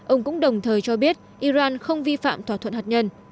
ông cũng đồng thời cho biết iran không vi phạm thỏa thuận hạt nhân